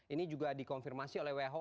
ini juga dikonfirmasi oleh who